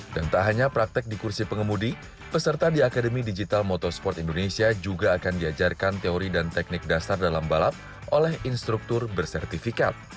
dan tak hanya praktek di kursi pengemudi peserta di akademi digital motorsport indonesia juga akan diajarkan teori dan teknik dasar dalam balap oleh instruktur bersertifikat